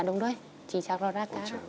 dạ đúng rồi